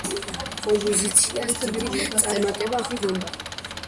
კომპოზიციას დიდი წარმატება ჰქონდა.